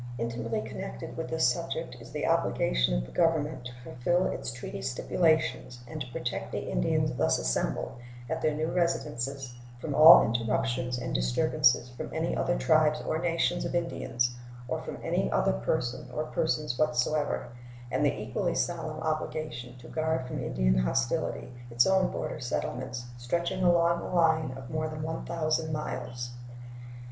Intimately connected with this subject is the obligation of the Government to fulfill its treaty stipulations and to protect the Indians thus assembled "at their new residences from all interruptions and disturbances from any other tribes or nations of Indians or from any other person or persons whatsoever," and the equally solemn obligation to guard from Indian hostility its own border settlements, stretching along a line of more than 1,000 miles.